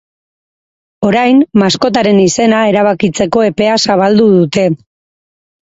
Orain, maskotaren izena erabakitzeko epea zabaldu dute.